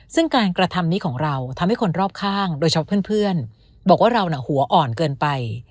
ซึ่งการกระทำนี้ของเราทำให้คนรอบข้างโดยเฉพาะเพื่อนบอกว่าเราน่ะหัวอ่อนเกินไป